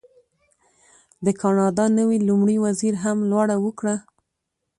د کاناډا نوي لومړي وزیر هم لوړه وکړه.